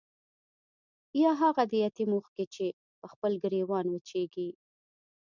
يا هاغه د يتيم اوښکې چې پۀ خپل ګريوان وچيږي